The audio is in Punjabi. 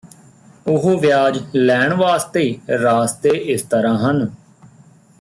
ਉਹ ਵਿਆਜ ਲੈਣ ਵਾਸਤੇ ਰਾਸਤੇ ਇਸ ਤਰਾਂ ਹਨ